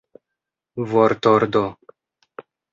vortordo